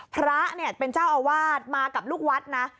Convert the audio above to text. พระเนี่ยเป็นเจ้าอาวาสมากับลูกวัดนะ